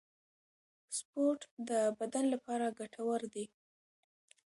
سپورت د بدن لپاره ګټور دی